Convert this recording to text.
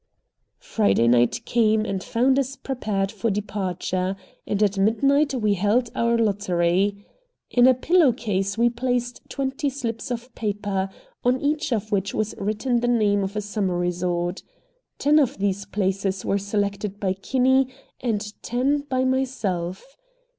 Friday night came and found us prepared for departure, and at midnight we held our lottery. In a pillow case we placed twenty slips of paper, on each of which was written the name of a summer resort. Ten of these places were selected by Kinney, and ten by myself.